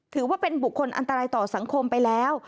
ถือว่าเป็นบุคคลอันตรายต่อสังคมไปแล้ว